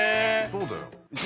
そうだよ。